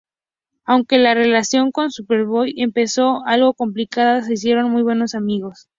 Aunque la relación con Superboy empezó algo complicada, se hicieron muy buenos amigos.